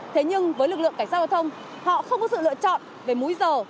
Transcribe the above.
thế nhưng với lực lượng cảnh sát giao thông họ không có sự lựa chọn về múi giờ